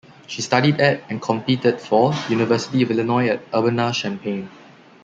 She studied at and competed for University of Illinois at Urbana-Champaign.